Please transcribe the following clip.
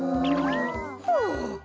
はあ。